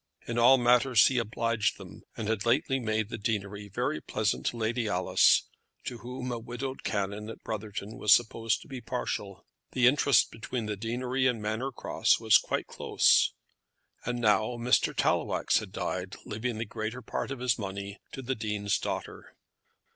In all matters he obliged them, and had lately made the deanery very pleasant to Lady Alice, to whom a widowed canon at Brotherton was supposed to be partial. The interest between the deanery and Manor Cross was quite close; and now Mr. Tallowax had died leaving the greater part of his money to the Dean's daughter.